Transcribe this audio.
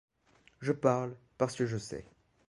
Je parle, parce que je sais.